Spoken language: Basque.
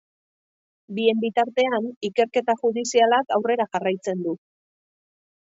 Bien bitartean, ikerketa judizialak aurrera jarraitzen du.